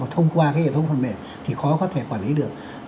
mà thông qua cái hệ thống phần mềm thì khó có thể quản lý được